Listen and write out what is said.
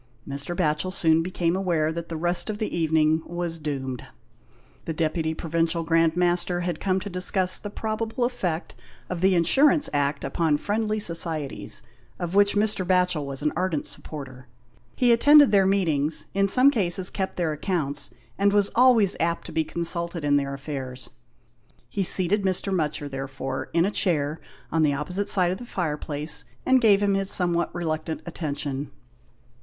Mr. Batchel soon became aware that the rest of the evening was doomed. The Deputy Pro vincial Grand Master had come to discuss the 127 GHOST TALES. probable effect of the Insurance Act upon Friendly Societies, of which Mr. Batchel was an ardent supporter. He attended their meetings, in some cases kept their accounts, and was always apt to be consulted in their affairs. He seated Mr. Mutcher, therefore, in a chair on the opposite side of the fireplace, and gave him his somewhat reluctant attention.